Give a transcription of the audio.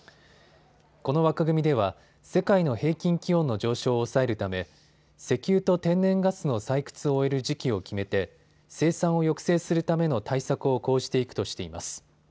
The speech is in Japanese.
この枠組みでは世界の平均気温の上昇を抑えるため石油と天然ガスの採掘を終える時期を決めて生産を抑制するための対策を講じていくとしています。